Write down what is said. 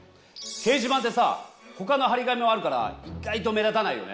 掲示板ってさほかの張り紙もあるから意外と目立たないよね。